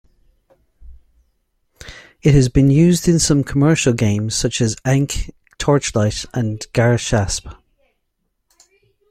It has been used in some commercial games such as "Ankh", "Torchlight" and "Garshasp".